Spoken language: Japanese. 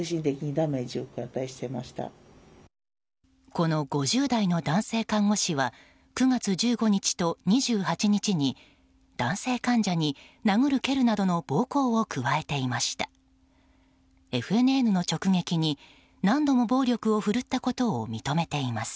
この５０代の男性看護師は９月１５日と２８日に男性患者に、殴る蹴るなどの暴行を加えていました。